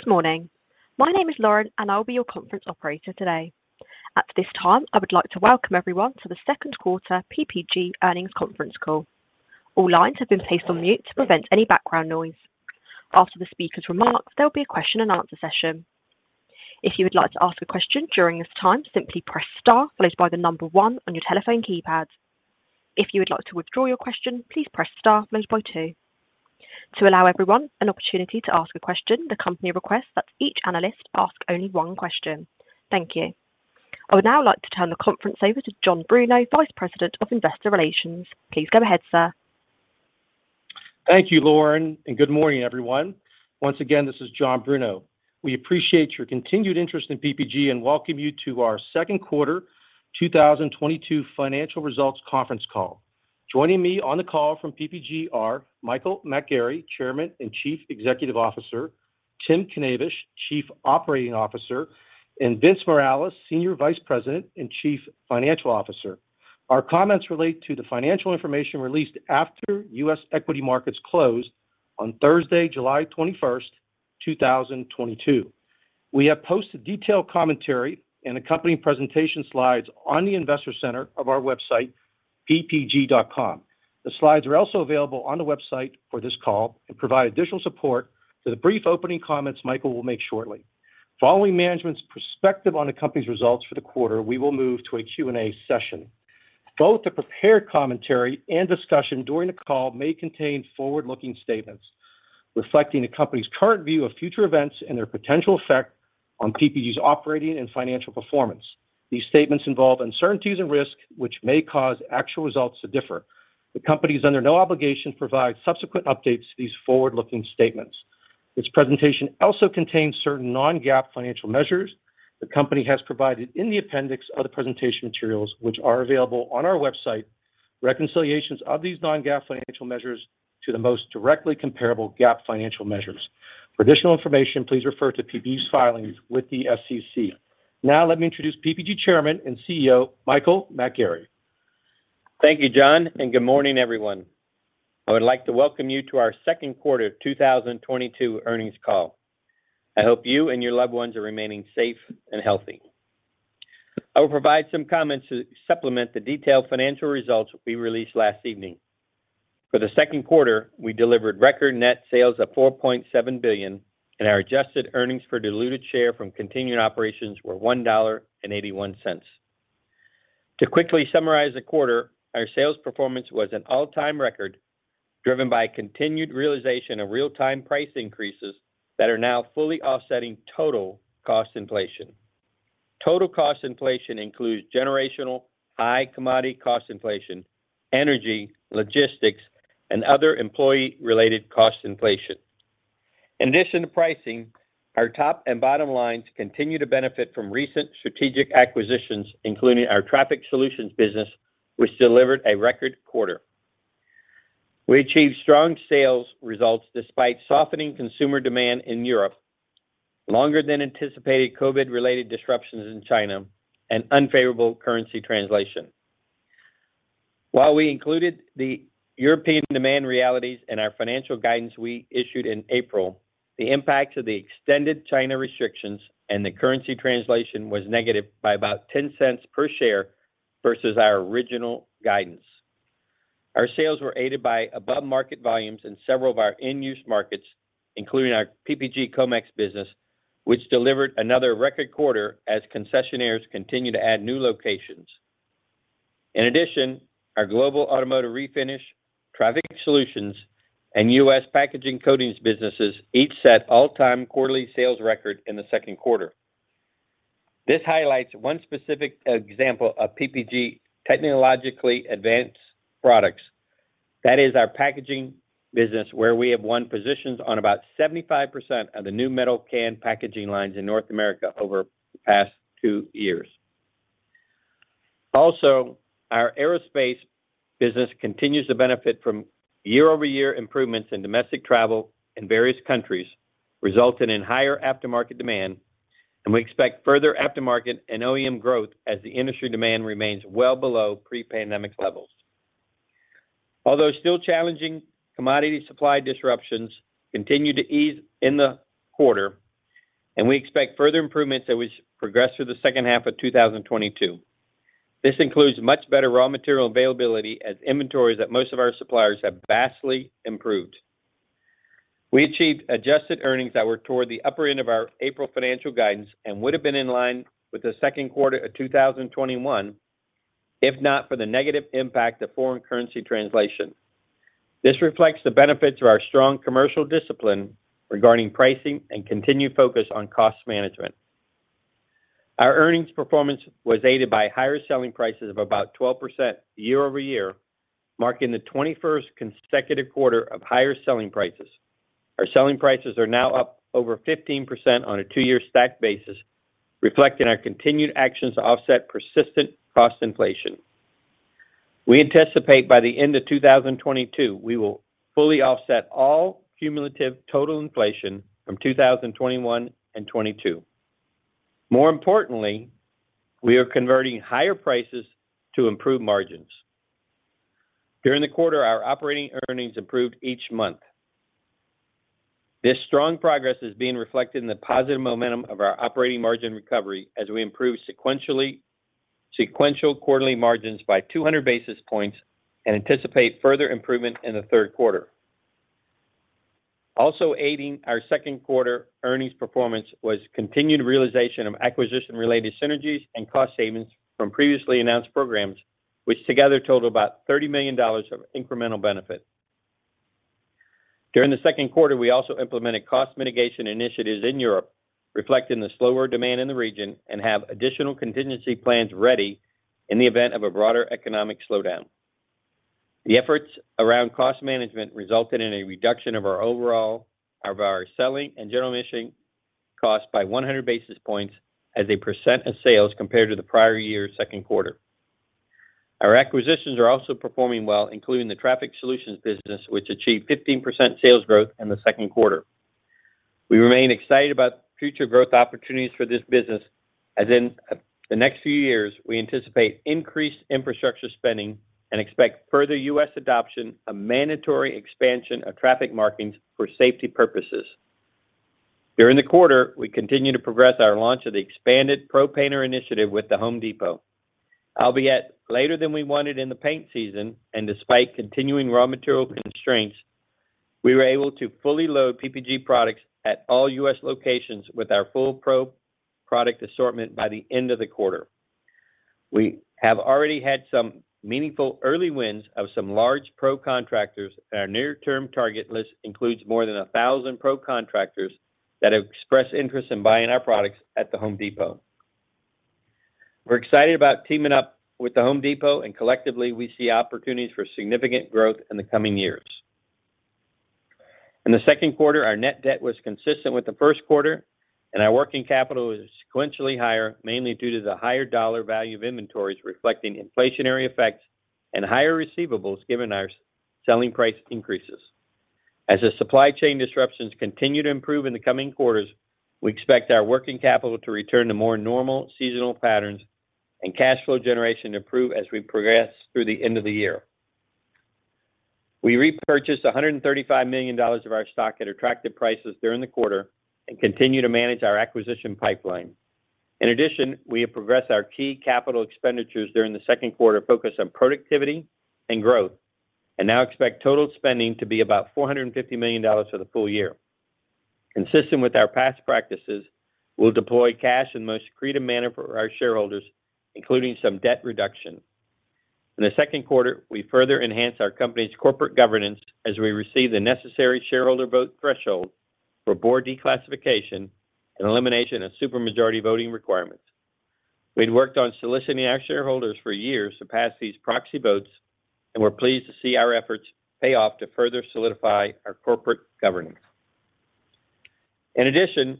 Good morning. My name is Lauren, and I'll be your conference operator today. At this time, I would like to welcome everyone to the second quarter PPG earnings conference call. All lines have been placed on mute to prevent any background noise. After the speaker's remarks, there'll be a question and answer session. If you would like to ask a question during this time, simply press star followed by the number one on your telephone keypad. If you would like to withdraw your question, please press star followed by two. To allow everyone an opportunity to ask a question, the company requests that each analyst ask only one question. Thank you. I would now like to turn the conference over to John Bruno, Vice President of Investor Relations. Please go ahead, sir. Thank you, Lauren, and good morning, everyone. Once again, this is John Bruno. We appreciate your continued interest in PPG and welcome you to our Q2 2022 financial results conference call. Joining me on the call from PPG are Michael McGarry, Chairman and Chief Executive Officer, Tim Knavish, Chief Operating Officer, and Vince Morales, Senior Vice President and Chief Financial Officer. Our comments relate to the financial information released after U.S. equity markets closed on Thursday, 21 July 2022. We have posted detailed commentary and accompanying presentation slides on the Investor Center of our website, ppg.com. The slides are also available on the website for this call and provide additional support to the brief opening comments Michael will make shortly. Following management's perspective on the company's results for the quarter, we will move to a Q&A session. Both the prepared commentary and discussion during the call may contain forward-looking statements. Reflecting the company's current view of future events and their potential effect on PPG's operating and financial performance. These statements involve uncertainties and risks which may cause actual results to differ. The company is under no obligation to provide subsequent updates to these forward-looking statements. This presentation also contains certain non-GAAP financial measures. The company has provided in the appendix of the presentation materials, which are available on our website, reconciliations of these non-GAAP financial measures to the most directly comparable GAAP financial measures. For additional information, please refer to PPG's filings with the SEC. Now let me introduce PPG Chairman and CEO, Michael McGarry. Thank you, John, and good morning, everyone. I would like to welcome you to our Q2 2022 earnings call. I hope you and your loved ones are remaining safe and healthy. I will provide some comments to supplement the detailed financial results we released last evening. For the Q2, we delivered record net sales of $4.7 billion, and our adjusted earnings per diluted share from continuing operations were $1.81. To quickly summarize the quarter, our sales performance was an all-time record driven by continued realization of real-time price increases that are now fully offsetting total cost inflation. Total cost inflation includes generational high commodity cost inflation, energy, logistics, and other employee-related cost inflation. In addition to pricing, our top and bottom lines continue to benefit from recent strategic acquisitions, including our Traffic Solutions business, which delivered a record quarter. We achieved strong sales results despite softening consumer demand in Europe, longer than anticipated COVID-related disruptions in China, and unfavorable currency translation. While we included the European demand realities in our financial guidance we issued in April, the impact of the extended China restrictions and the currency translation was negative by about $0.10 per share versus our original guidance. Our sales were aided by above market volumes in several of our end-use markets, including our PPG Comex business, which delivered another record quarter as concessionaires continue to add new locations. In addition, our global Automotive Refinish, Traffic Solutions, and U.S. packaging coatings businesses each set all-time quarterly sales record in the Q2. This highlights one specific example of PPG technologically advanced products. That is our packaging business, where we have won positions on about 75% of the new metal can packaging lines in North America over the past two years. Also, our Aerospace business continues to benefit from year-over-year improvements in domestic travel in various countries, resulting in higher aftermarket demand, and we expect further aftermarket and OEM growth as the industry demand remains well below pre-pandemic levels. Although still challenging, commodity supply disruptions continue to ease in the quarter, and we expect further improvements as we progress through the second half of 2022. This includes much better raw material availability as inventories at most of our suppliers have vastly improved. We achieved adjusted earnings that were toward the upper end of our April financial guidance and would have been in line with the Q2 of 2021, if not for the negative impact of foreign currency translation. This reflects the benefits of our strong commercial discipline regarding pricing and continued focus on cost management. Our earnings performance was aided by higher selling prices of about 12% year-over-year, marking the 21st consecutive quarter of higher selling prices. Our selling prices are now up over 15% on a two year stack basis, reflecting our continued actions to offset persistent cost inflation. We anticipate by the end of 2022, we will fully offset all cumulative total inflation from 2021 and 2022. More importantly, we are converting higher prices to improve margins. During the quarter, our operating earnings improved each month. This strong progress is being reflected in the positive momentum of our operating margin recovery as we improve sequential quarterly margins by 200 basis points and anticipate further improvement in the Q3. Also aiding our Q2 earnings performance was continued realization of acquisition-related synergies and cost savings from previously announced programs, which together total about $30 million of incremental benefit. During the Q2, we also implemented cost mitigation initiatives in Europe, reflecting the slower demand in the region and have additional contingency plans ready in the event of a broader economic slowdown. The efforts around cost management resulted in a reduction of our selling and general admin cost by 100 basis points as a percent of sales compared to the prior year's Q2. Our acquisitions are also performing well, including the Traffic Solutions business, which achieved 15% sales growth in the Q2. We remain excited about future growth opportunities for this business as in the next few years, we anticipate increased infrastructure spending and expect further U.S. adoption of mandatory expansion of traffic markings for safety purposes. During the quarter, we continued to progress our launch of the expanded ProPainter initiative with The Home Depot. Albeit later than we wanted in the paint season, and despite continuing raw material constraints, we were able to fully load PPG products at all U.S. locations with our full pro product assortment by the end of the quarter. We have already had some meaningful early wins of some large pro contractors, and our near term target list includes more than 1,000 pro contractors that have expressed interest in buying our products at The Home Depot. We're excited about teaming up with The Home Depot, and collectively, we see opportunities for significant growth in the coming years. In the Q2, our net debt was consistent with the Q1, and our working capital was sequentially higher, mainly due to the higher dollar value of inventories reflecting inflationary effects and higher receivables given our selling price increases. As the supply chain disruptions continue to improve in the coming quarters, we expect our working capital to return to more normal seasonal patterns and cash flow generation to improve as we progress through the end of the year. We repurchased $135 million of our stock at attractive prices during the quarter and continue to manage our acquisition pipeline. In addition, we have progressed our key capital expenditures during the Q2 focused on productivity and growth and now expect total spending to be about $450 million for the full year. Consistent with our past practices, we'll deploy cash in the most accretive manner for our shareholders, including some debt reduction. In the Q2, we further enhanced our company's corporate governance as we received the necessary shareholder vote threshold for board declassification and elimination of super majority voting requirements. We'd worked on soliciting our shareholders for years to pass these proxy votes, and we're pleased to see our efforts pay off to further solidify our corporate governance. In addition,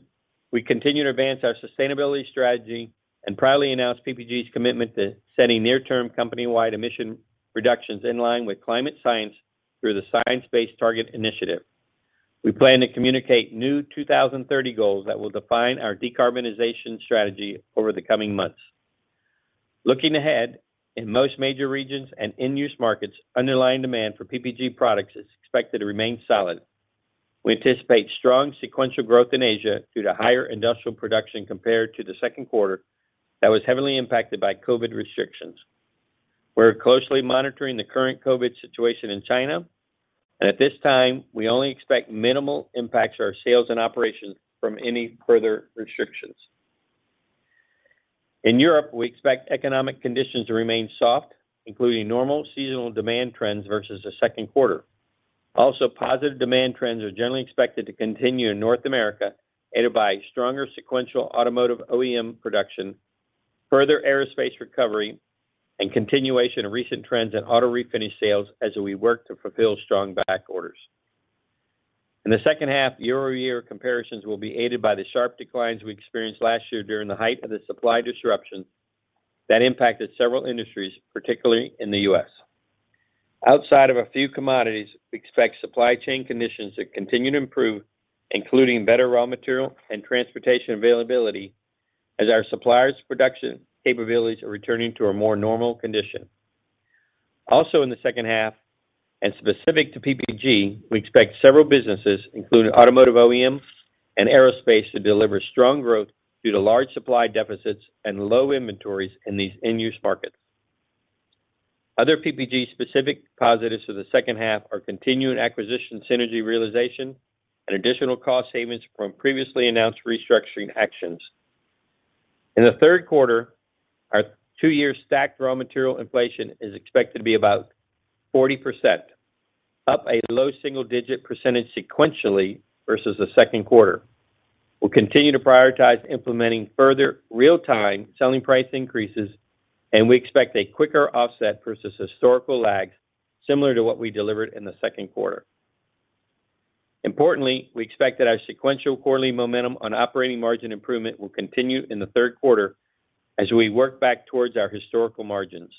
we continue to advance our sustainability strategy and proudly announce PPG's commitment to setting near-term company-wide emission reductions in line with climate science through the Science Based Targets initiative. We plan to communicate new 2030 goals that will define our decarbonization strategy over the coming months. Looking ahead, in most major regions and end-use markets, underlying demand for PPG products is expected to remain solid. We anticipate strong sequential growth in Asia due to higher industrial production compared to the Q2. That was heavily impacted by COVID restrictions. We're closely monitoring the current COVID situation in China, and at this time, we only expect minimal impacts to our sales and operations from any further restrictions. In Europe, we expect economic conditions to remain soft, including normal seasonal demand trends versus the Q2. Also, positive demand trends are generally expected to continue in North America, aided by stronger sequential automotive OEM production, further Aerospace recovery, and continuation of recent trends in auto refinish sales as we work to fulfill strong back orders. In the second half, year-over-year comparisons will be aided by the sharp declines we experienced last year during the height of the supply disruption that impacted several industries, particularly in the U.S. Outside of a few commodities, we expect supply chain conditions to continue to improve, including better raw material and transportation availability as our suppliers' production capabilities are returning to a more normal condition. Also in the second half, and specific to PPG, we expect several businesses, including automotive OEMs and Aerospace, to deliver strong growth due to large supply deficits and low inventories in these end-use markets. Other PPG specific positives for the second half are continuing acquisition synergy realization and additional cost savings from previously announced restructuring actions. In the Q3, our two-year stacked raw material inflation is expected to be about 40%, up a low single-digit percentage sequentially versus the Q2. We'll continue to prioritize implementing further real-time selling price increases, and we expect a quicker offset versus historical lags similar to what we delivered in the Q2. Importantly, we expect that our sequential quarterly momentum on operating margin improvement will continue in the Q3, as we work back towards our historical margins.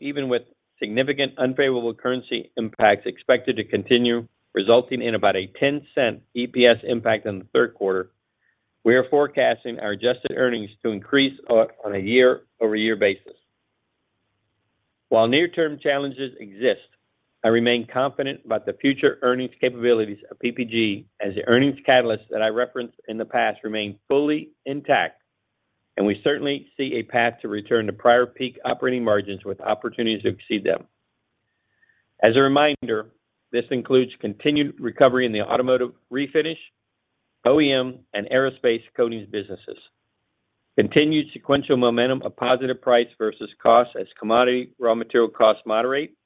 Even with significant unfavorable currency impacts expected to continue, resulting in about a $0.10 EPS impact in the Q3. We are forecasting our adjusted earnings to increase on a year-over-year basis. While near-term challenges exist, I remain confident about the future earnings capabilities of PPG as the earnings catalysts that I referenced in the past remain fully intact, and we certainly see a path to return to prior peak operating margins with opportunities to exceed them. As a reminder, this includes continued recovery in the Automotive Refinish, OEM, and Aerospace coatings businesses. Continued sequential momentum of positive price versus cost as commodity raw material costs moderate.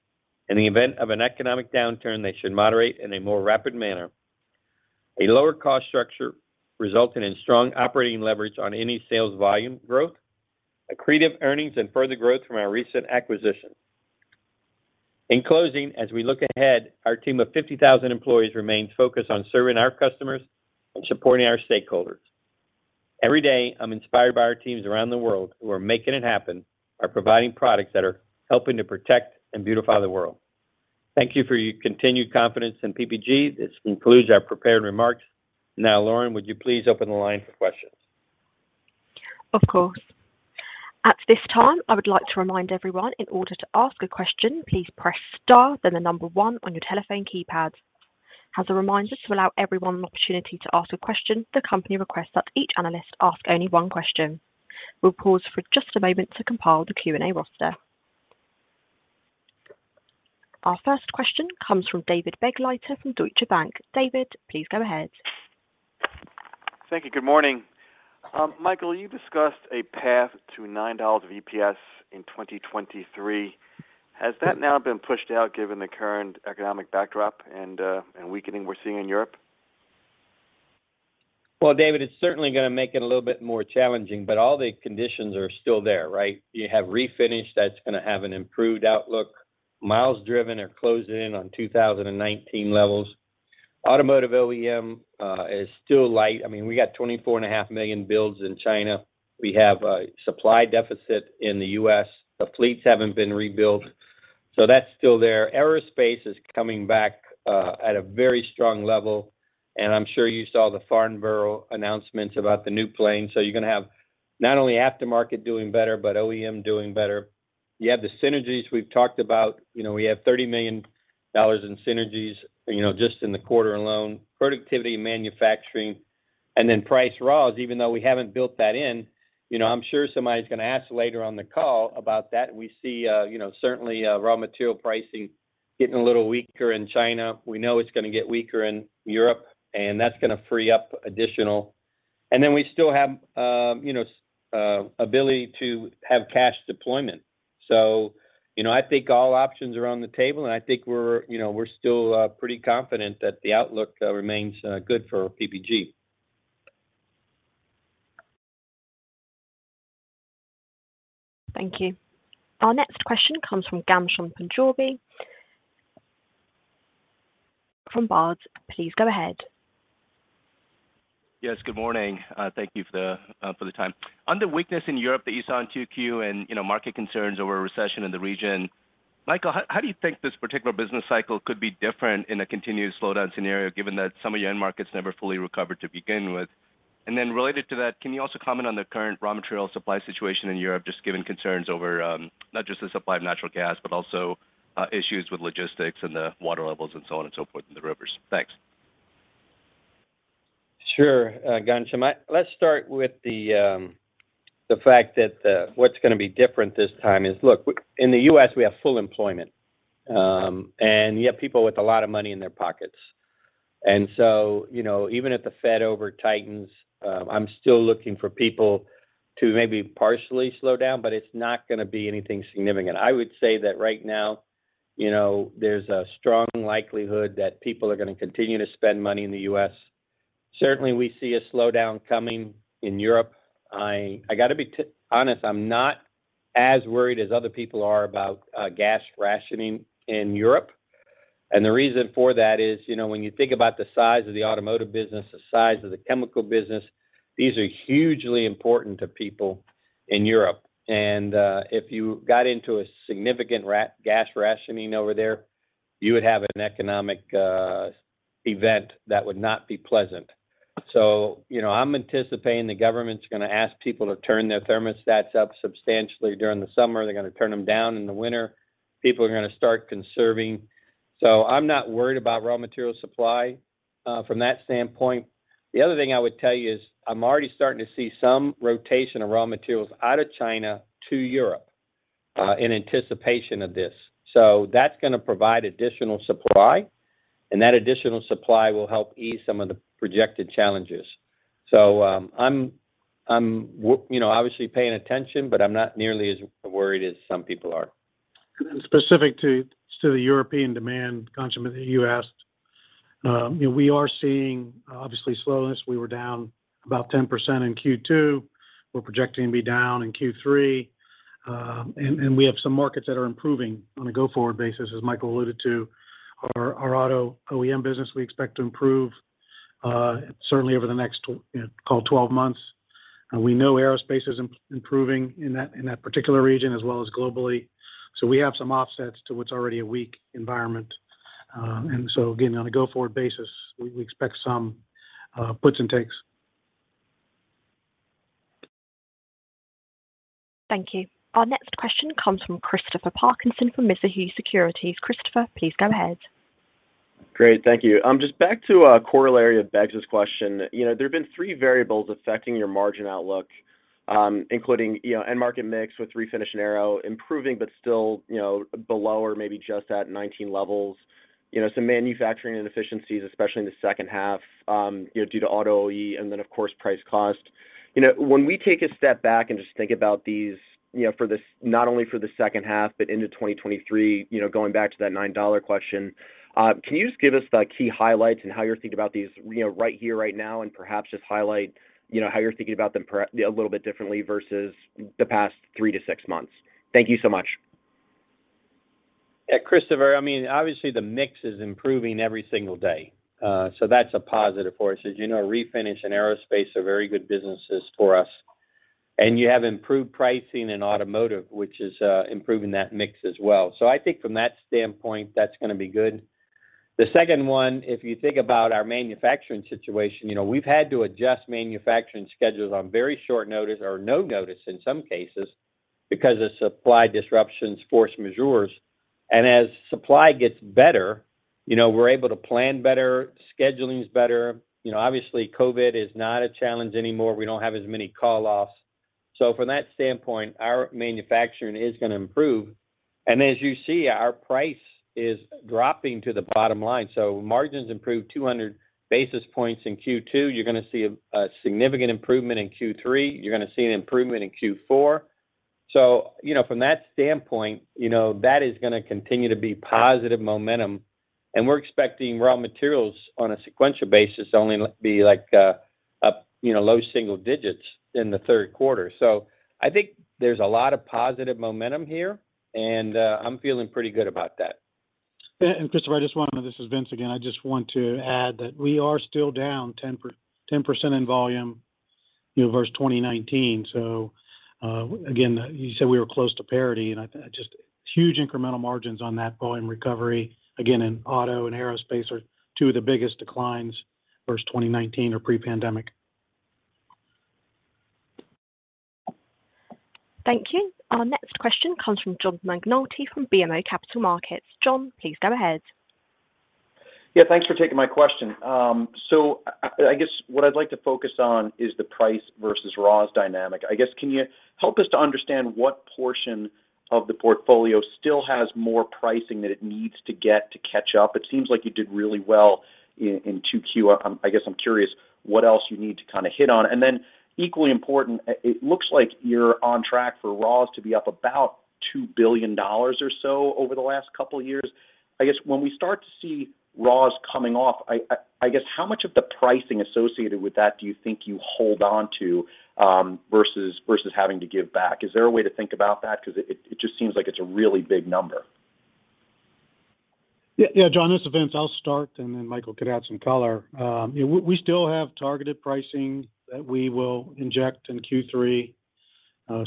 In the event of an economic downturn, they should moderate in a more rapid manner. A lower cost structure resulting in strong operating leverage on any sales volume growth. Accretive earnings and further growth from our recent acquisition. In closing, as we look ahead, our team of 50,000 employees remains focused on serving our customers and supporting our stakeholders. Every day, I'm inspired by our teams around the world who are making it happen, are providing products that are helping to protect and beautify the world. Thank you for your continued confidence in PPG. This concludes our prepared remarks. Now, Lauren, would you please open the line for questions? Of course. At this time, I would like to remind everyone in order to ask a question, please press star, then the number one on your telephone keypad. As a reminder, to allow everyone an opportunity to ask a question, the company requests that each analyst ask only one question. We'll pause for just a moment to compile the Q&A roster. Our first question comes from David Begleiter from Deutsche Bank. David, please go ahead. Thank you. Good morning. Michael, you discussed a path to $9 EPS in 2023. Has that now been pushed out given the current economic backdrop and weakening we're seeing in Europe? Well, David, it's certainly gonna make it a little bit more challenging, but all the conditions are still there, right? You have refinish that's gonna have an improved outlook. Miles driven are closing in on 2019 levels. Automotive OEM is still light. I mean, we got 24.5 million builds in China. We have a supply deficit in the US. The fleets haven't been rebuilt. That's still there. Aerospace is coming back at a very strong level, and I'm sure you saw the Farnborough announcements about the new plane you're gonna have not only aftermarket doing better, but OEM doing better. You have the synergies we've talked about. You know, we have $30 million in synergies, you know, just in the quarter alone. Productivity, manufacturing, and then price raws, even though we haven't built that in. You know, I'm sure somebody's gonna ask later on the call about that we see, you know, certainly, raw material pricing getting a little weaker in China. We know it's gonna get weaker in Europe, and that's gonna free up additional. We still have, you know, ability to have cash deployment. You know, I think all options are on the table, and I think we're, you know, we're still, pretty confident that the outlook remains, good for PPG. Thank you. Our next question comes from Ghansham Panjabi from Baird. Please go ahead. Yes, good morning. Thank you for the time. On the weakness in Europe that you saw in Q2 and, you know, market concerns over a recession in the region, Michael, how do you think this particular business cycle could be different in a continued slowdown scenario, given that some of your end markets never fully recovered to begin with? Related to that, can you also comment on the current raw material supply situation in Europe, just given concerns over, not just the supply of natural gas, but also, issues with logistics and the water levels and so on and so forth in the rivers? Thanks. Sure, Ghansham. Let's start with the fact that what's gonna be different this time is, look, in the U.S., we have full employment, and you have people with a lot of money in their pockets. You know, even if the Fed overtightens, I'm still looking for people to maybe partially slow down, but it's not gonna be anything significant i would say that right now, you know, there's a strong likelihood that people are gonna continue to spend money in the U.S. Certainly, we see a slowdown coming in Europe. I gotta be honest, I'm not as worried as other people are about gas rationing in Europe. The reason for that is, you know, when you think about the size of the automotive business, the size of the chemical business, these are hugely important to people in Europe. If you got into a significant gas rationing over there, you would have an economic event that would not be pleasant. You know, I'm anticipating the government's gonna ask people to turn their thermostats up substantially during the summer they're gonna turn them down in the winter. People are gonna start conserving. I'm not worried about raw material supply from that standpoint. The other thing I would tell you is I'm already starting to see some rotation of raw materials out of China to Europe in anticipation of this. That's gonna provide additional supply, and that additional supply will help ease some of the projected challenges. You know, obviously paying attention, but I'm not nearly as worried as some people are. Specific to the European demand, Ghansham, that you asked. You know, we are seeing obviously slowness we were down about 10% in Q2. We're projecting to be down in Q3. We have some markets that are improving on a go-forward basis, as Michael alluded to. Our auto OEM business we expect to improve, certainly over the next 12 months. We know Aerospace is improving in that particular region as well as globally. We have some offsets to what's already a weak environment. On a go-forward basis, we expect some puts and takes. Thank you. Our next question comes from Christopher Parkinson from Mizuho Securities. Christopher, please go ahead. Great. Thank you. Just back to a corollary of Begleiter's question. You know, there have been three variables affecting your margin outlook, including, you know, end market mix with refinish and Aero improving, but still, you know, below or maybe just at 19 levels. You know, some manufacturing inefficiencies, especially in the second half, you know, due to auto OEM and then, of course, price cost. You know, when we take a step back and just think about these, you know, for this not only for the second half but into 2023, you know, going back to that $9 question, can you just give us the key highlights and how you're thinking about these, you know, right here, right now, and perhaps just highlight, you know, how you're thinking about them a little bit differently versus the past three to six months? Thank you so much. Yeah, Christopher. I mean, obviously the mix is improving every single day. That's a positive for us as you know, refinish and Aerospace are very good businesses for us. You have improved pricing in automotive, which is improving that mix as well so i think from that standpoint, that's gonna be good. The second one, if you think about our manufacturing situation, you know, we've had to adjust manufacturing schedules on very short notice or no notice in some cases, because of supply disruptions, force majeurs. As supply gets better, you know, we're able to plan better, scheduling is better. You know, obviously, COVID is not a challenge anymore we don't have as many call-offs. From that standpoint, our manufacturing is gonna improve. As you see, our price is dropping to the bottom line. Margins improved 200 basis points in Q2. You're gonna see a significant improvement in Q3. You're gonna see an improvement in Q4. You know, from that standpoint, you know, that is gonna continue to be positive momentum. We're expecting raw materials on a sequential basis only likely be like up, you know, low single digits in the Q3. I think there's a lot of positive momentum here, and I'm feeling pretty good about that. Christopher, this is Vince again i just want to add that we are still down 10% in volume, you know, versus 2019. Again, you said we were close to parity, and it's just huge incremental margins on that volume recovery. Again, in Auto and Aerospace are two of the biggest declines versus 2019 or pre-pandemic. Thank you. Our next question comes from John McNulty from BMO Capital Markets. John, please go ahead. Yeah, thanks for taking my question. I guess what I'd like to focus on is the price versus Raws dynamic i guess, can you help us to understand what portion? of the portfolio still has more pricing that it needs to get to catch up? It seems like you did really well in Q2. I guess I'm curious what else you need to kinda hit on. Then equally important, it looks like you're on track for Raws to be up about $2 billion or so over the last couple of years. I guess when we start to see Raws coming off, I guess how much of the pricing associated with that do you think you hold on to, versus having to give back? Is there a way to think about that? 'Cause it just seems like it's a really big number. Yeah. Yeah, John, this is Vince. I'll start, and then Michael could add some color. We still have targeted pricing that we will inject in Q3.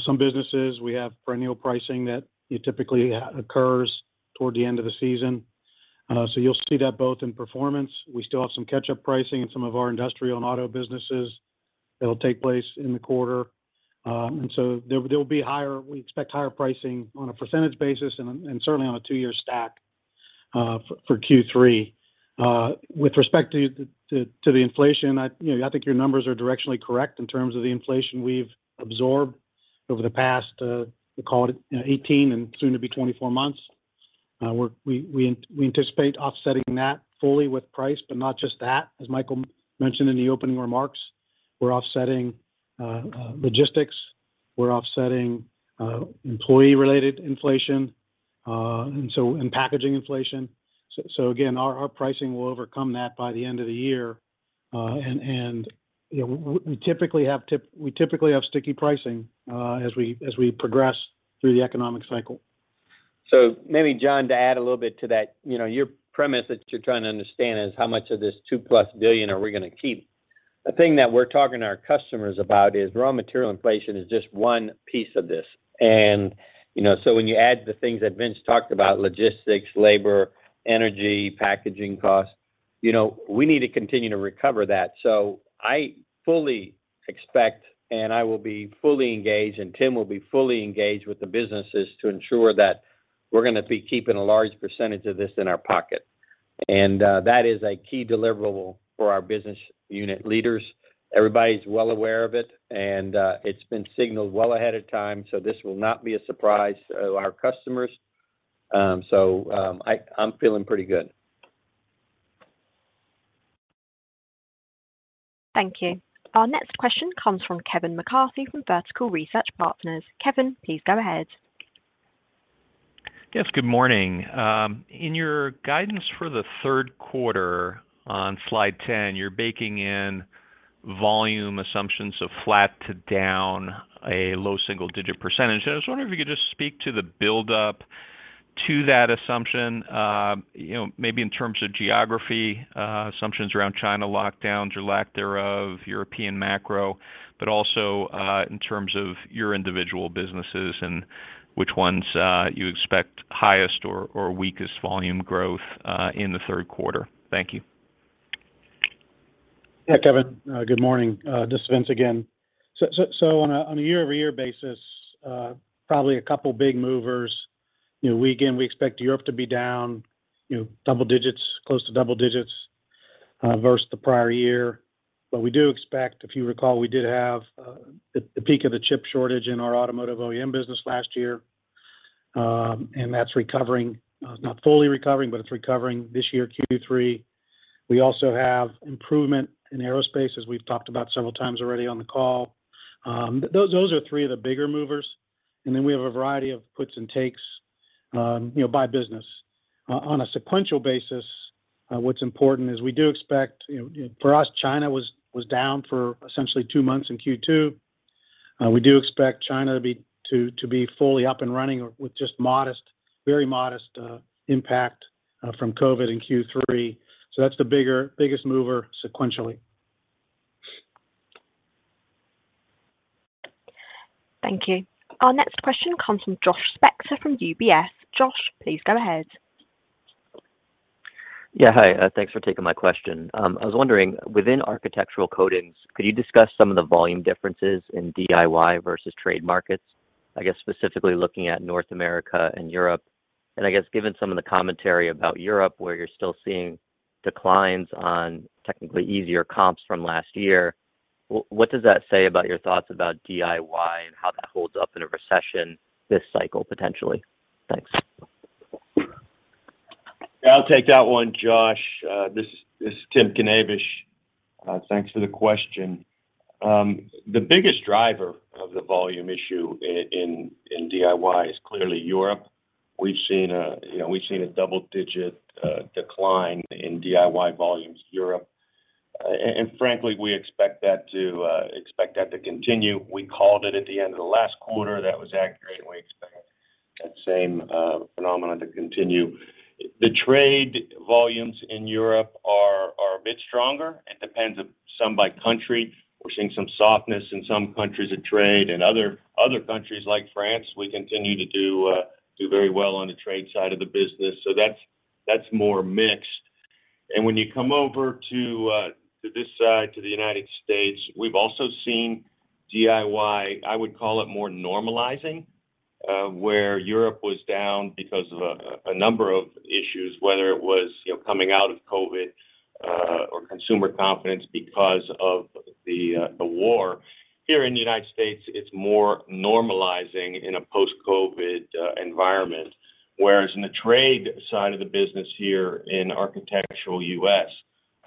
Some businesses, we have perennial pricing that typically occurs toward the end of the season. So you'll see that both in performance. We still have some catch-up pricing in some of our industrial and auto businesses that'll take place in the quarter. And so there'll be higher—we expect higher pricing on a percentage basis and certainly on a two-year stack for Q3. With respect to the inflation, you know, I think your numbers are directionally correct in terms of the inflation we've absorbed over the past, call it 18 and soon to be 24 months. We anticipate offsetting that fully with price, but not just that as Michael mentioned in the opening remarks, we're offsetting logistics, we're offsetting employee-related inflation, and packaging inflation. Again, our pricing will overcome that by the end of the year. You know, we typically have sticky pricing as we progress through the economic cycle. Maybe John, to add a little bit to that. You know, your premise that you're trying to understand is how much of this $2+ billion are we gonna keep. The thing that we're talking to our customers about is raw material inflation is just one piece of this. You know, so when you add the things that Vince talked about, logistics, labor, energy, packaging costs, you know, we need to continue to recover that. I fully expect, and I will be fully engaged, and Tim will be fully engaged with the businesses to ensure that we're gonna be keeping a large percentage of this in our pocket. That is a key deliverable for our business unit leaders. Everybody's well aware of it, and it's been signaled well ahead of time this will not be a surprise to our customers. I'm feeling pretty good. Thank you. Our next question comes from Kevin McCarthy from Vertical Research Partners. Kevin, please go ahead. Yes, good morning. In your guidance for the Q3 on slide 10, you're baking in volume assumptions of flat to down, a low single-digit percent i was wondering if you could just speak to the build up to that assumption, you know, maybe in terms of geography, assumptions around China lockdowns or lack thereof, European macro, but also, in terms of your individual businesses and which ones you expect highest or weakest volume growth in the Q3. Thank you. Yeah, Kevin. Good morning. This is Vince again. On a year-over-year basis, probably a couple big movers. You know, we again, we expect Europe to be down, you know, double digits, close to double digits, versus the prior year. We do expect, if you recall, we did have the peak of the chip shortage in our Automotive OEM business last year, and that's recovering. Not fully recovering, but it's recovering this year, Q3. We also have improvement in Aerospace, as we've talked about several times already on the call. Those are three of the bigger movers. Then we have a variety of puts and takes, you know, by business. On a sequential basis, what's important is we do expect, you know for us, China was down for essentially two months in Q2. We do expect China to be fully up and running with just modest, very modest, impact from COVID in Q3. That's the biggest mover sequentially. Thank you. Our next question comes from Joshua Spector from UBS. Josh, please go ahead. Yeah, hi. Thanks for taking my question. I was wondering, within Architectural Coatings, could you discuss some of the volume differences in DIY versus trade markets? I guess specifically looking at North America and Europe. I guess given some of the commentary about Europe, where you're still seeing declines on technically easier comps from last year, what does that say about your thoughts about DIY and how that holds up in a recession this cycle, potentially? Thanks. I'll take that one, Josh Spector. This is Tim Knavish. Thanks for the question. The biggest driver of the volume issue in DIY is clearly Europe. We've seen, you know, a double-digit decline in DIY volumes Europe. Frankly, we expect that to continue. We called it at the end of the last quarter, that was accurate, and we expect that same phenomenon to continue. The trade volumes in Europe are a bit stronger it depends on country by country. We're seeing some softness in some countries in trade in other countries like France, we continue to do very well on the trade side of the business. That's more mixed. When you come over to this side, to the United States, we've also seen DIY, I would call it more normalizing. Where Europe was down because of a number of issues, whether it was, you know, coming out of COVID, or consumer confidence because of the war. Here in the United States, it's more normalizing in a post-COVID environment. Whereas in the trade side of the business here in architectural US,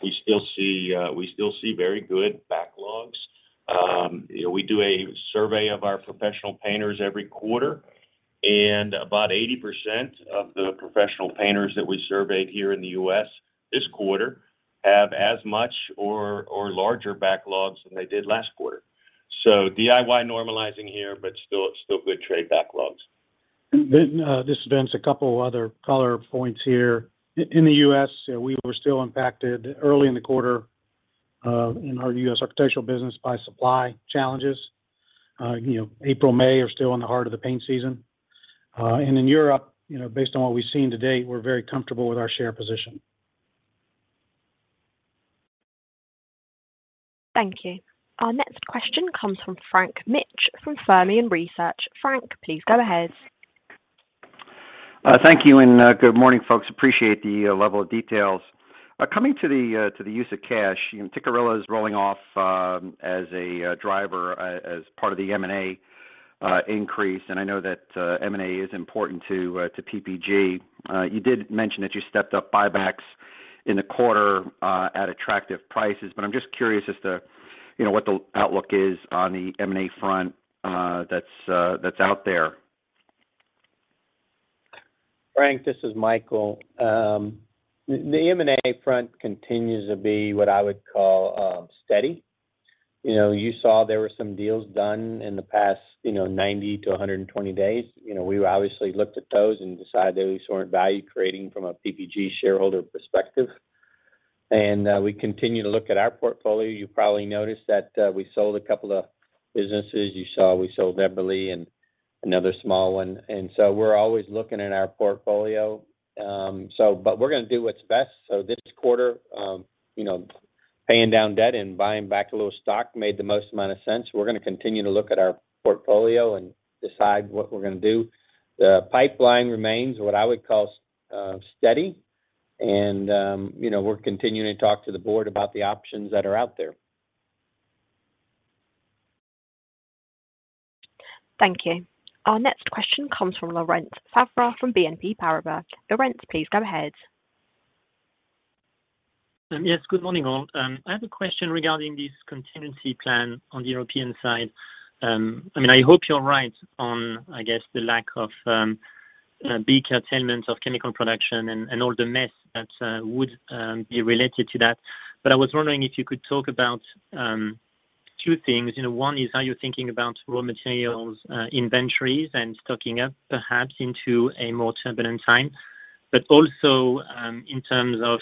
we still see very good backlogs. We do a survey of our professional painters every quarter, and about 80% of the professional painters that we surveyed here in the US this quarter have as much or larger backlogs than they did last quarter. DIY normalizing here, but still good trade backlogs. This is Vince. A couple other color points here. In the U.S., we were still impacted early in the quarter in our U.S. architectural business by supply challenges. You know, April, May are still in the heart of the paint season. In Europe, you know, based on what we've seen to date, we're very comfortable with our share position. Thank you. Our next question comes from Frank Mitsch from Fermium Research. Frank, please go ahead. Thank you, and good morning, folks. Appreciate the level of details. Coming to the use of cash, you know, Tikkurila is rolling off as a driver as part of the M&A increase. I know that M&A is important to PPG. You did mention that you stepped up buybacks in the quarter at attractive prices im just curious as to, you know, what the outlook is on the M&A front that's out there. Frank, this is Michael. The M&A front continues to be what I would call steady. You know, you saw there were some deals done in the past, you know, 90 to 120 days. You know, we obviously looked at those and decided those weren't value-creating from a PPG shareholder perspective. We continue to look at our portfolio you probably noticed that we sold a couple of businesses you saw we sold [unintelligible] and another small one we're always looking at our portfolio. We're gonna do what's best. This quarter, you know, paying down debt and buying back a little stock made the most amount of sense we're gonna continue to look at our portfolio and decide what we're gonna do. The pipeline remains what I would call steady. You know, we're continuing to talk to the board about the options that are out there. Thank you. Our next question comes from Laurent Favre from BNP Paribas. Laurent, please go ahead. Yes. Good morning, all. I have a question regarding this contingency plan on the European side. I mean, I hope you're right on, I guess, the lack of big curtailment of chemical production and all the mess that would be related to that. I was wondering if you could talk about two things you know, one is how you're thinking about raw materials inventories and stocking up perhaps into a more turbulent time. Also, in terms of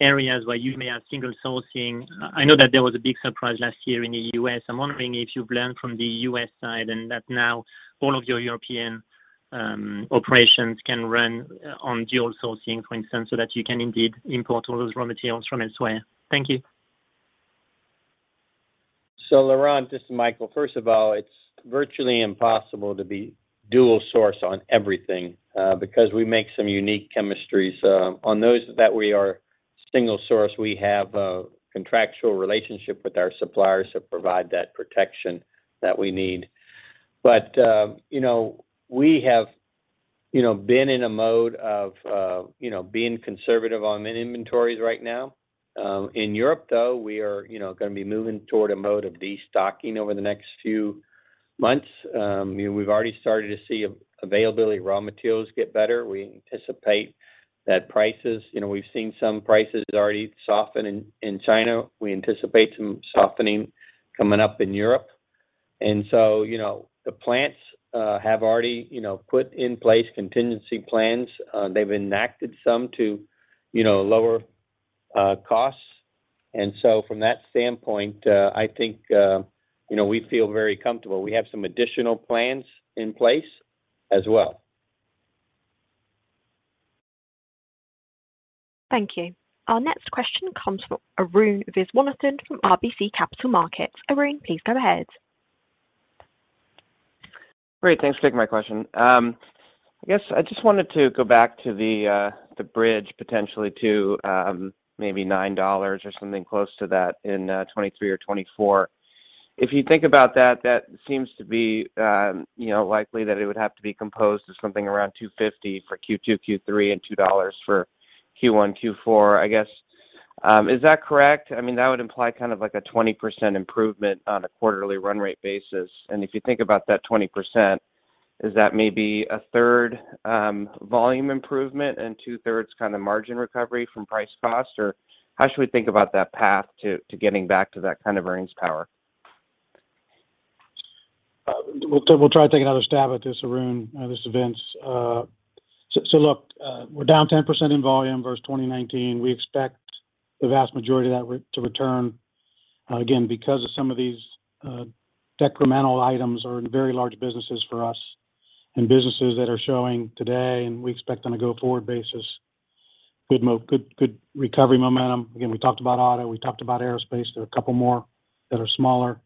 areas where you may have single sourcing. I know that there was a big surprise last year in the U.S. I'm wondering if you've learned from the U.S. side and that now all of your European operations can run on dual sourcing, for instance, so that you can indeed import all those raw materials from elsewhere. Thank you. Laurent, this is Michael. First of all, it's virtually impossible to be dual source on everything, because we make some unique chemistries. On those that we are single source, we have a contractual relationship with our suppliers to provide that protection that we need. But, you know, we have, you know, been in a mode of, you know, being conservative on min inventories right now. In Europe, though, we are, you know, gonna be moving toward a mode of destocking over the next few months. You know, we've already started to see availability of raw materials get better we anticipate that prices. You know, we've seen some prices already soften in China. We anticipate some softening coming up in Europe. You know, the plants have already, you know, put in place contingency plans. They've enacted some to, you know, lower costs. From that standpoint, I think, you know, we feel very comfortable we have some additional plans in place as well. Thank you. Our next question comes from Arun Viswanathan from RBC Capital Markets. Arun, please go ahead. Great. Thanks for taking my question. I guess I just wanted to go back to the bridge potentially to maybe $9 or something close to that in 2023 or 2024. If you think about that seems to be, you know, likely that it would have to be composed of something around $2.50 for Q2, Q3, and $2 for Q1, Q4. I guess, is that correct? I mean, that would imply kind of like a 20% improvement on a quarterly run rate basis. If you think about that 20%, is that maybe a third volume improvement? and 2/3 kind of margin recovery from price cost? Or how should we think about that path to getting back to that kind of earnings power? We'll try to take another stab at this, Arun. This is Vince. Look, we're down 10% in volume versus 2019 we expect the vast majority of that to return, again because some of these decremental items are in very large businesses for us and businesses that are showing today and we expect on a go-forward basis good recovery momentum. We talked about auto, we talked about Aerospace there are a couple more that are smaller.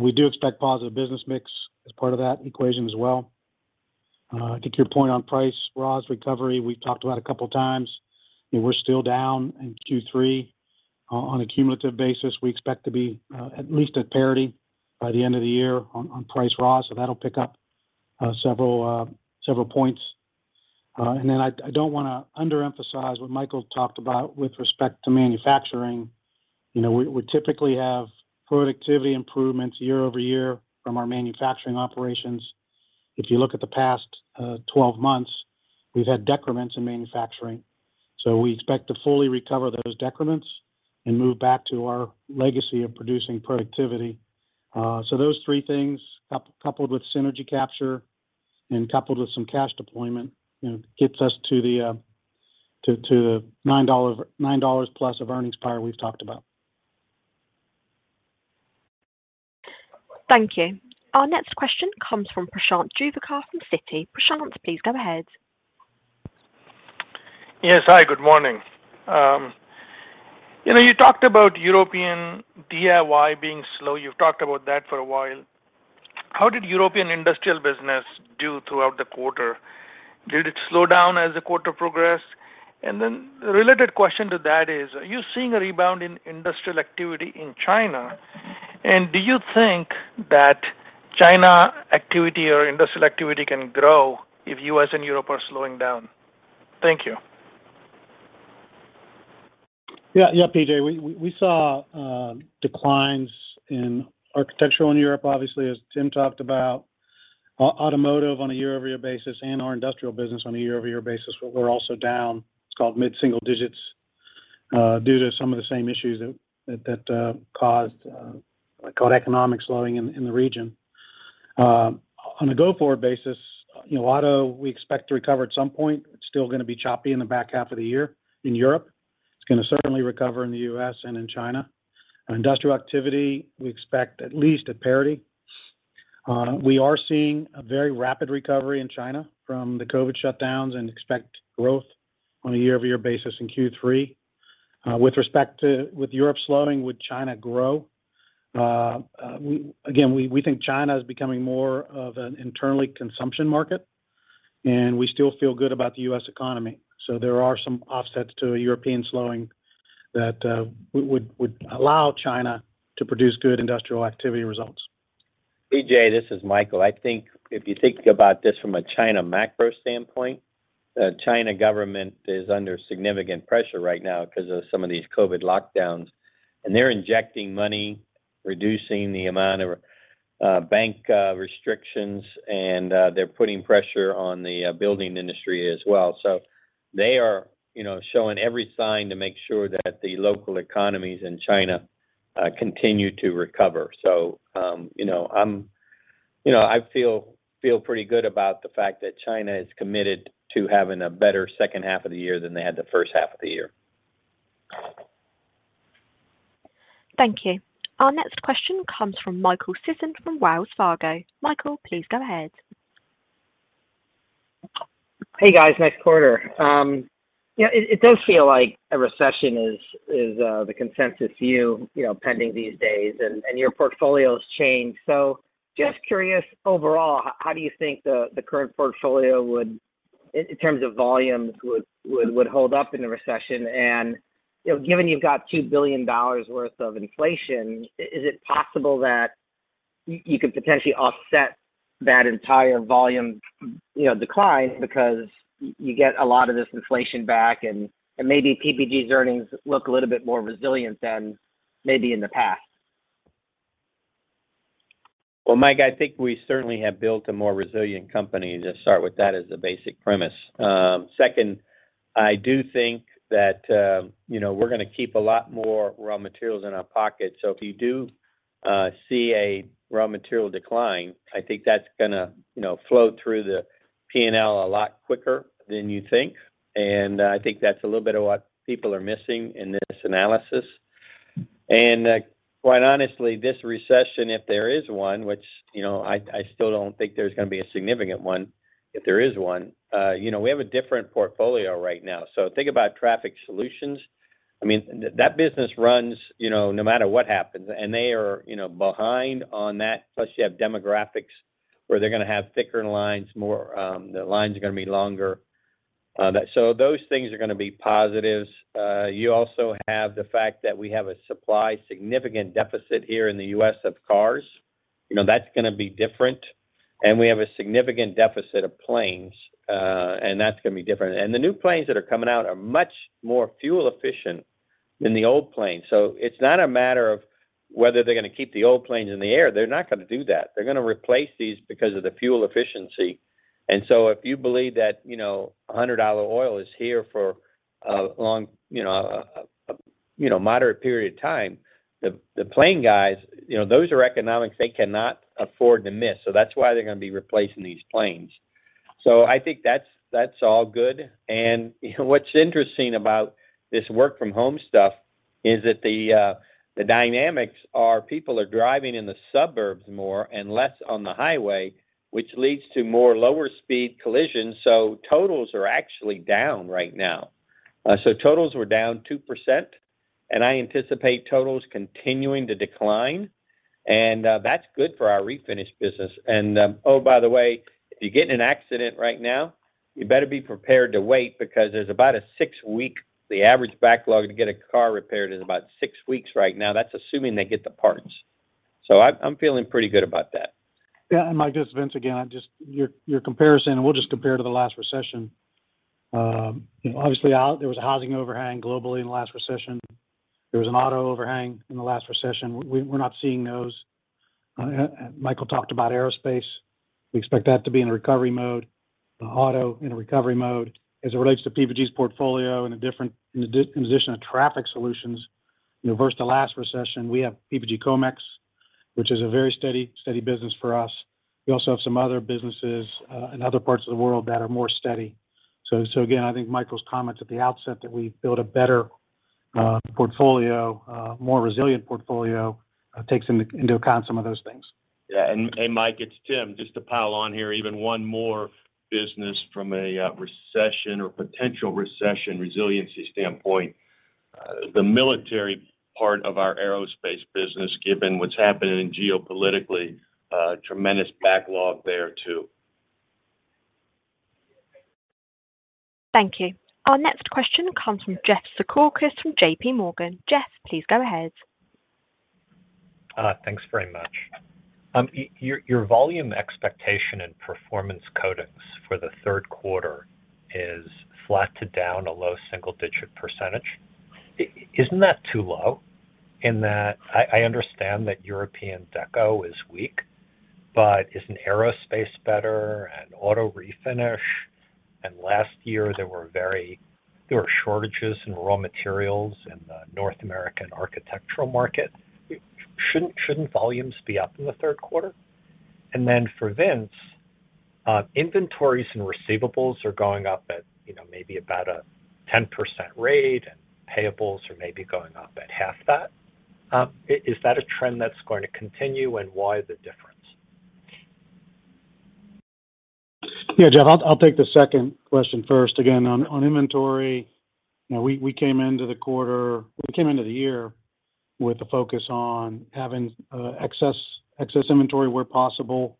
We do expect positive business mix as part of that equation as well. I think your point on price raw recovery, we've talked about a couple times. You know, we're still down in Q3 on a cumulative basis we expect to be at least at parity by the end of the year on price and raw, so that'll pick up several points. I don't wanna underemphasize what Michael talked about with respect to manufacturing. You know, we typically have productivity improvements year-over-year from our manufacturing operations. If you look at the past 12 months, we've had decrements in manufacturing. We expect to fully recover those decrements and move back to our legacy of productivity. Those three things coupled with synergy capture and coupled with some cash deployment, you know, gets us to the $9 plus of earnings power we've talked about. Thank you. Our next question comes from P.J. Juvekar from Citi. Prashant, please go ahead. Yes. Hi, good morning. You know, you talked about European DIY being slow you've talked about that for a while. How did European industrial business do throughout the quarter? Did it slow down as the quarter progressed? Related question to that is, are you seeing a rebound in industrial activity in China? Do you think? that China activity or industrial activity can grow if U.S. and Europe are slowing down? Thank you. Yeah, P.J. We saw declines in architectural in Europe, obviously as Tim talked about. Automotive on a year-over-year basis and our industrial business on a year-over-year basis were also down in the mid-single digits, due to some of the same issues that caused economic slowing in the region. On a go-forward basis, you know, auto, we expect to recover at some point. It's still gonna be choppy in the back half of the year in Europe. It's gonna certainly recover in the US and in China. Industrial activity, we expect at least at parity. We are seeing a very rapid recovery in China from the COVID shutdowns and expect growth on a year-over-year basis in Q3. With respect to Europe slowing, would China grow. Again, we think China is becoming more of an internal consumption market, and we still feel good about the U.S. economy. There are some offsets to a European slowing that would allow China to produce good industrial activity results. P.J., this is Michael. I think if you think about this from a China macro standpoint. The China government is under significant pressure right now because of some of these COVID lockdowns. They're injecting money, reducing the amount of bank restrictions, and they're putting pressure on the building industry as well. They are, you know, showing every sign to make sure that the local economies in China continue to recover. You know, I feel pretty good about the fact that China is committed to having a better second half of the year than they had the first half of the year. Thank you. Our next question comes from Michael Sison from Wells Fargo. Michael, please go ahead. Hey, guys. Next quarter. You know, it does feel like a recession is the consensus view, you know, impending these days and your portfolio has changed. Just curious, overall, how do you think the current portfolio would in terms of volumes hold up in a recession? You know, given you've got $2 billion worth of inflation, is it possible that you could potentially offset that entire volume, you know, decline because you get a lot of this inflation back and maybe PPG's earnings look a little bit more resilient than maybe in the past? Well, Mike, I think we certainly have built a more resilient company just start with that as the basic premise. Second, I do think that, you know, we're gonna keep a lot more raw materials in our pocket so if you do see a raw material decline, I think that's gonna, you know, flow through the P&L a lot quicker than you think. I think that's a little bit of what people are missing in this analysis. Quite honestly, this recession, if there is one, which, you know, I still don't think there's gonna be a significant one, if there is one, you know, we have a different portfolio right now think about Traffic Solutions. I mean, that business runs, you know, no matter what happens, and they are, you know, behind on that. You have demographics where they're gonna have thicker lines more, the lines are gonna be longer. Those things are gonna be positives. You also have the fact that we have a significant supply deficit here in the U.S. of cars. You know, that's gonna be different. We have a significant deficit of planes, and that's gonna be different the new planes that are coming out are much more fuel efficient than the old planes. It's not a matter of whether they're gonna keep the old planes in the air they're not gonna do that. They're gonna replace these because of the fuel efficiency. If you believe that, you know, $100 oil is here for a long, you know, moderate period of time, the plane guys, you know, those are economics they cannot afford to miss that's why they're gonna be replacing these planes. I think that's all good. You know, what's interesting about this work from home stuff is that the dynamics are people are driving in the suburbs more and less on the highway, which leads to more lower speed collisions. Totals are actually down right now. Totals were down 2%, and I anticipate totals continuing to decline. That's good for our refinish business. Oh, by the way, if you get in an accident right now, you better be prepared to wait because the average backlog to get a car repaired is about six weeks right now that's assuming they get the parts. I'm feeling pretty good about that. Yeah. Mike, just Vince again, just your comparison, and we'll just compare to the last recession. You know, obviously there was a housing overhang globally in the last recession. There was an auto overhang in the last recession we're not seeing those. Michael talked about Aerospace. We expect that to be in a recovery mode, auto in a recovery mode. As it relates to PPG's portfolio in a different position of Traffic Solutions, you know, versus the last recession, we have PPG Comex, which is a very steady business for us. We also have some other businesses in other parts of the world that are more steady. Again, I think Michael's comments at the outset that we build a better portfolio, more resilient portfolio, takes into account some of those things. Mike, it's Tim. Just to pile on here even one more business from a recession or potential recession resiliency standpoint. The military part of our Aerospace business, given what's happening geopolitically, tremendous backlog there too. Thank you. Our next question comes from Jeff Zekauskas from J.P. Morgan. Jeff, please go ahead. Thanks very much. Your volume expectation in Performance Coatings for the Q3 is flat to down a low single-digit percentage. Isn't that too low? I understand that European deco is weak, but isn't Aerospace better and auto refinish? Last year there were shortages in raw materials in the North American architectural market. Shouldn't volumes be up in the Q3? For Vince, inventories and receivables are going up at, you know, maybe about a 10% rate, and payables are maybe going up at half that. Is that a trend that's going to continue, and why the difference? Yeah, Jeff, I'll take the second question first again, on inventory, you know, we came into the year with a focus on having excess inventory where possible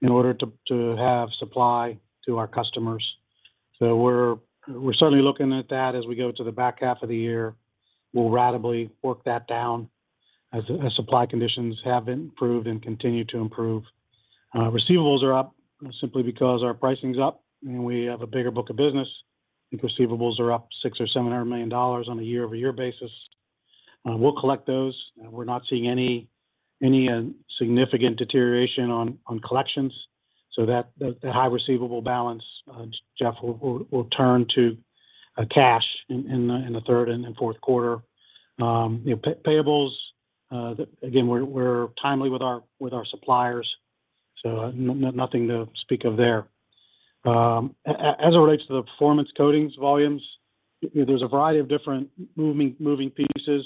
in order to have supply to our customers. So we're certainly looking at that as we go to the back half of the year. We'll ratably work that down. As supply conditions have improved and continue to improve. Receivables are up simply because our pricing is up, and we have a bigger book of business, and receivables are up $600 to 700 million on a year-over-year basis. We'll collect those, and we're not seeing any significant deterioration on collections. That the high receivable balance, Jeff, will turn to cash in the Q3 and Q4. You know, payables, again, we're timely with our suppliers, so nothing to speak of there. As it relates to the Performance Coatings volumes, there's a variety of different moving pieces.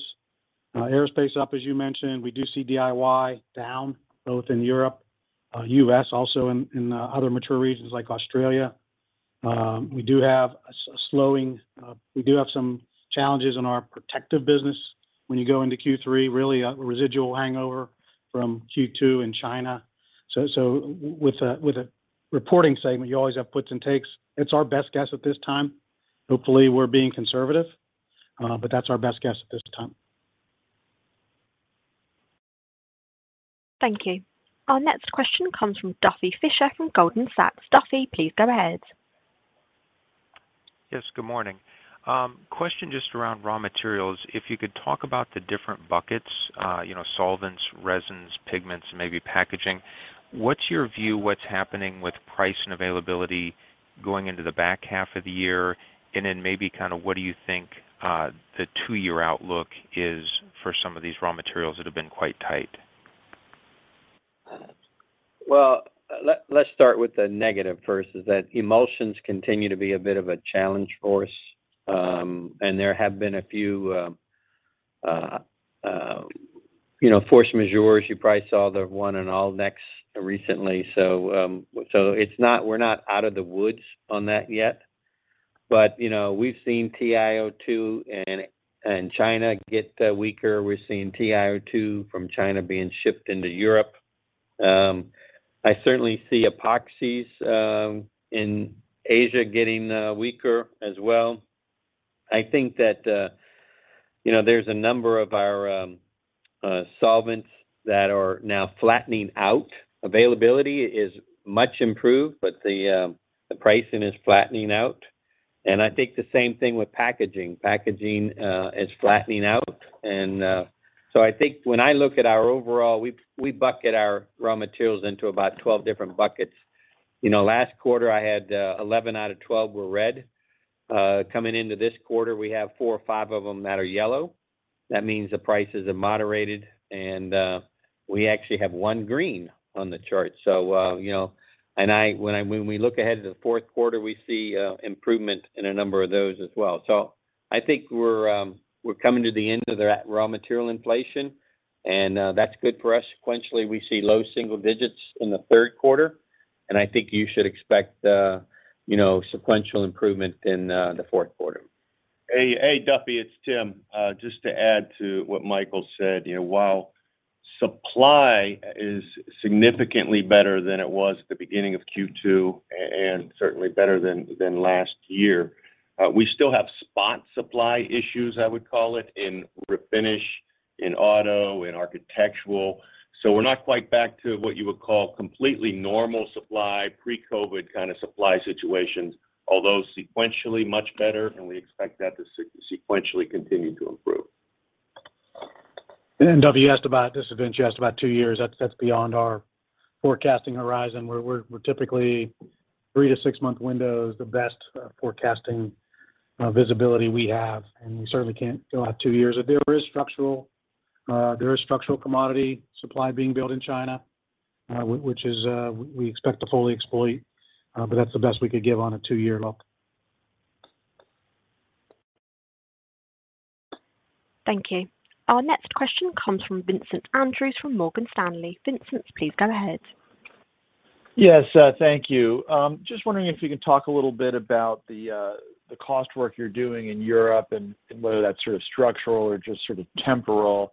Aerospace up, as you mentioned we do see DIY down, both in Europe, U.S. also and other mature regions like Australia. We do have some challenges in our protective business when you go into Q3, really a residual hangover from Q2 in China. With the reporting segment, you always have puts and takes. It's our best guess at this time. Hopefully, we're being conservative, but that's our best guess at this time. Thank you. Our next question comes from Duffy Fischer from Goldman Sachs. Duffy, please go ahead. Yes, good morning. Question just around raw materials. If you could talk about the different buckets, you know, solvents, resins, pigments, maybe packaging. What's your view, what's happening with price and availability going into the back half of the year? Maybe kind of what do you think, the two-year outlook is for some of these raw materials that have been quite tight? Well, let's start with the negative first is that emulsions continue to be a bit of a challenge for us, and there have been a few, you know, Force Majeure you probably saw the one in Allnex recently. It's not -- we're not out of the woods on that yet. You know, we've seen TiO2 in China get weaker we're seeing TiO2 from China being shipped into Europe. I certainly see epoxies in Asia getting weaker as well. I think that, you know, there's a number of our solvents that are now flattening out. Availability is much improved, but the pricing is flattening out. I think the same thing with packaging. Packaging is flattening out. I think when I look at our overall, we bucket our raw materials into about 12 different buckets. You know, last quarter, I had 11 out of 12 were red. Coming into this quarter, we have four or five of them that are yellow. That means the prices have moderated, and we actually have one green on the chart you know, when we look ahead to the Q4, we see improvement in a number of those as well. I think we're coming to the end of that raw material inflation, and that's good for us sequentially, we see low single digits in the Q3 and I think you should expect, you know, sequential improvement in the Q4. Hey, hey, Duffy, it's Tim. Just to add to what Michael said. You know, while supply is significantly better than it was at the beginning of Q2 and certainly better than last year, we still have spot supply issues, I would call it, in refinish, in auto, in architectural. We're not quite back to what you would call completely normal supply, pre-COVID kind of supply situations, although sequentially much better, and we expect that to sequentially continue to improve. Duffy, you asked about this event just about two years that's beyond our forecasting horizon, where we're typically three to six month window is the best forecasting visibility we have, and we certainly can't go out two years there is structural commodity supply being built in China, which is we expect to fully exploit, but that's the best we could give on a two year look. Thank you. Our next question comes from Vincent Andrews from Morgan Stanley. Vincent, please go ahead. Yes, thank you. Just wondering if you could talk a little bit about the cost work you're doing in Europe and whether that's sort of structural or just sort of temporal.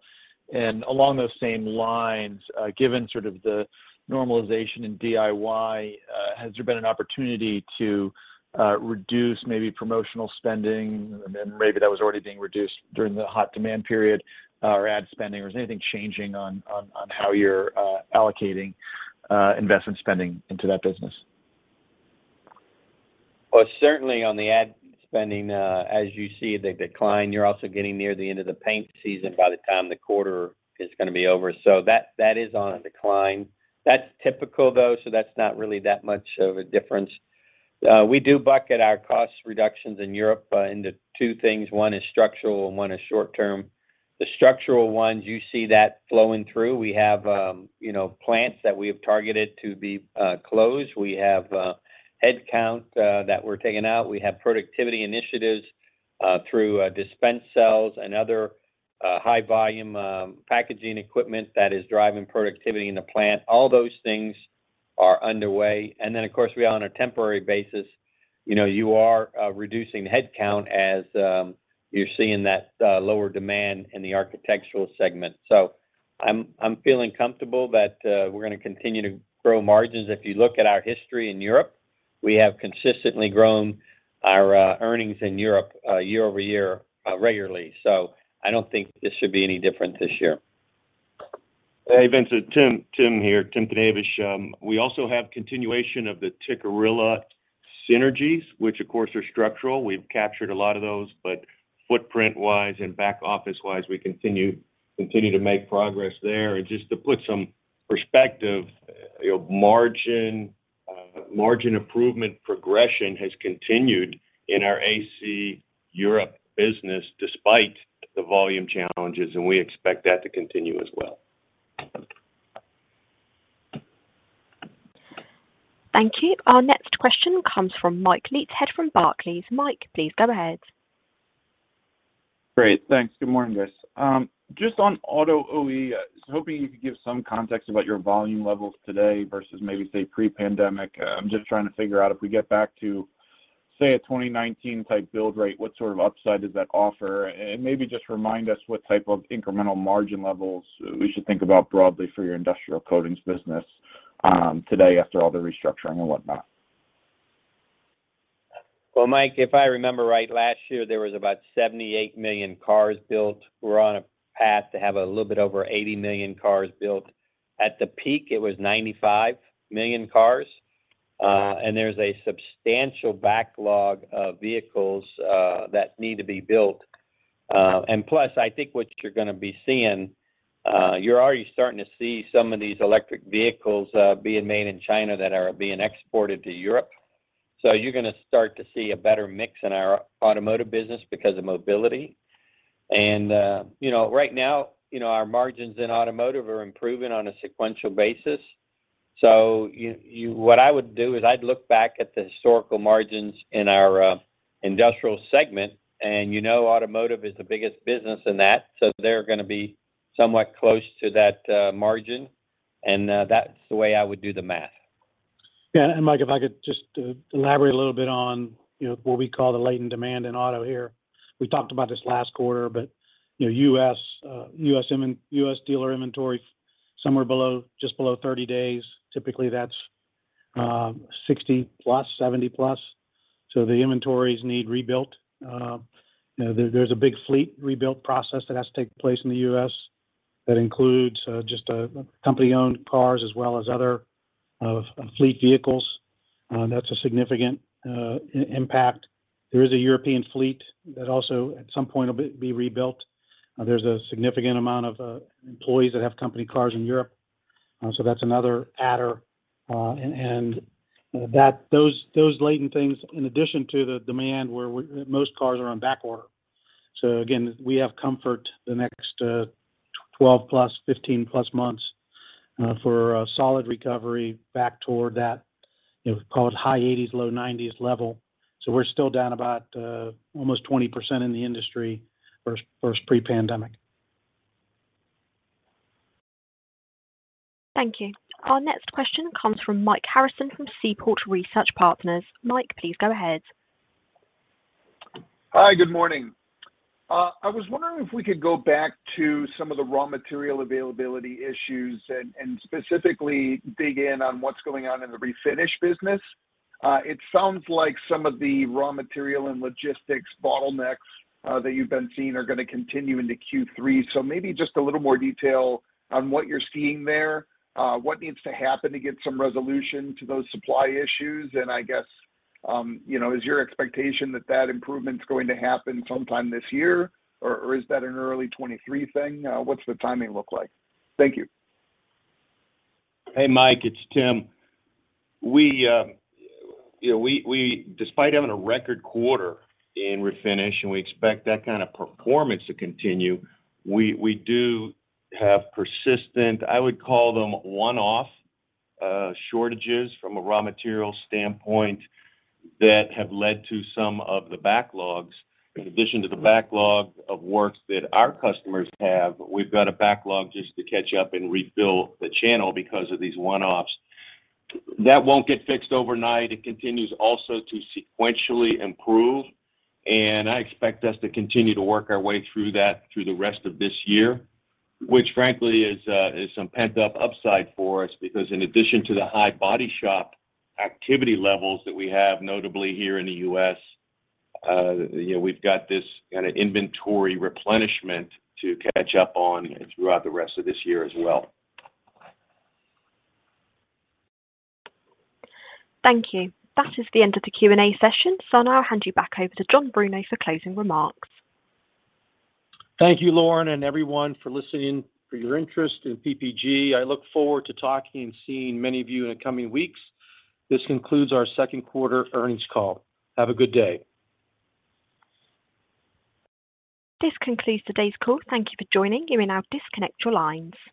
Along those same lines, given sort of the normalization in DIY, has there been an opportunity to reduce maybe promotional spending? Maybe that was already being reduced during the hot demand period, or ad spending, or is there anything changing on how you're allocating investment spending into that business? Well, certainly on the ad spending, as you see the decline, you're also getting near the end of the paint season by the time the quarter is gonna be over that is on a decline. That's typical, though, so that's not really that much of a difference. We do bucket our cost reductions in Europe into two things one is structural and one is short term. The structural ones, you see that flowing through we have, you know, plants that we have targeted to be closed we have headcount that we're taking out we have productivity initiatives through dispense cells and other high volume packaging equipment that is driving productivity in the plant all those things are underway. Of course, we are on a temporary basis. You know, you are reducing headcount as you're seeing that lower demand in the architectural segment. I'm feeling comfortable that we're gonna continue to grow margins if you look at our history in Europe. We have consistently grown our earnings in Europe year-over-year regularly. I don't think this should be any different this year. Hey, Vince. Tim here. Tim Knavish. We also have continuation of the Tikkurila synergies, which of course are structural we've captured a lot of those. Footprint-wise and back office-wise, we continue to make progress there. Just to put some perspective, you know, margin improvement progression has continued in our AC Europe business despite the volume challenges, and we expect that to continue as well. Thank you. Our next question comes from Mike Leithead from Barclays. Mike, please go ahead. Great. Thanks. Good morning, guys. Just on auto OEM, I was hoping you could give some context about your volume levels today versus maybe, say, pre-pandemic. I'm just trying to figure out if we get back to, say, a 2019 type build rate, what sort of upside does that offer. Maybe just remind us what type of incremental margin levels we should think about broadly for your industrial coatings business today after all the restructuring and whatnot. Well, Mike, if I remember right, last year there was about 78 million cars built we're on a path to have a little bit over 80 million cars built. At the peak, it was 95 million cars, and there's a substantial backlog of vehicles that need to be built. Plus, I think what you're gonna be seeing, you're already starting to see some of these electric vehicles being made in China that are being exported to Europe. So you're gonna start to see a better mix in our automotive business because of mobility. You know, right now, you know, our margins in automotive are improving on a sequential basis. What I would do is I'd look back at the historical margins in our, industrial segment, and you know automotive is the biggest business in that, so they're gonna be somewhat close to that, margin. That's the way I would do the math. Yeah, Mike, if I could just elaborate a little bit on, you know, what we call the latent demand in auto here. We talked about this last quarter, but, you know, U.S. dealer inventory somewhere below, just below 30 days. Typically, that's 60+, 70+. The inventories need rebuilt. You know, there's a big fleet rebuilt process that has to take place in the U.S. that includes just company-owned cars as well as other fleet vehicles. That's a significant impact. There is a European fleet that also at some point will be rebuilt. There's a significant amount of employees that have company cars in Europe, so that's another adder. That, those latent things in addition to the demand where most cars are on backorder. Again, we have comfort the next 12+, 15+ months for a solid recovery back toward that, you know, call it high 80s, low 90s level. We're still down about almost 20% in the industry versus pre-pandemic. Thank you. Our next question comes from Mike Harrison from Seaport Research Partners. Mike, please go ahead. Hi, good morning. I was wondering if we could go back to some of the raw material availability issues and specifically dig in on what's going on in the refinish business. It sounds like some of the raw material and logistics bottlenecks that you've been seeing are gonna continue into Q3 maybe just a little more detail, on what you're seeing there. What needs to happen to get some resolution to those supply issues? I guess, you know, is your expectation that that improvement's going to happen sometime this year? or is that an early 2023 thing? What's the timing look like? Thank you. Hey, Mike, it's Tim. We, you know, despite having a record quarter in refinish and we expect that kind of performance to continue, we do have persistent, I would call them one-off, shortages from a raw material standpoint, that have led to some of the backlogs. In addition to the backlog of works that our customers have, we've got a backlog just to catch up and refill the channel because of these one-offs. That won't get fixed overnight. It continues also to sequentially improve, and I expect us to continue to work our way through that through the rest of this year, which frankly is some pent-up upside for us because in addition to the high body shop activity levels that we have notably here in the U.S., you know, we've got this kinda inventory replenishment to catch up on throughout the rest of this year as well. Thank you. That is the end of the Q&A session. I'll now hand you back over to John Bruno for closing remarks. Thank you, Lauren and everyone, for listening, for your interest in PPG i look forward to talking and seeing many of you in the coming weeks. This concludes our second quarter earnings call. Have a good day. This concludes today's call. Thank you for joining. You may now disconnect your lines.